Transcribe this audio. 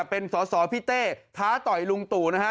เป็นสอปีเต้ท้าต่อยลุงตุนะฮะ